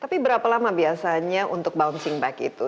tapi berapa lama biasanya untuk bouncing back itu